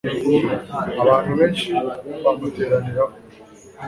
abantu benshi bamuteraniraho